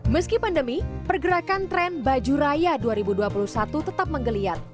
meski pandemi pergerakan tren baju raya dua ribu dua puluh satu tetap menggeliat